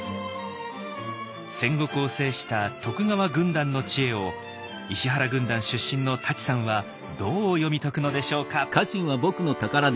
戦国を制した徳川軍団の知恵を石原軍団出身の舘さんはどう読み解くのでしょうか。